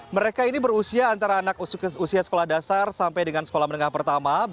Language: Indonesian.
mereka ini berusia antara anak usia sekolah dasar sampai dengan sekolah menengah pertama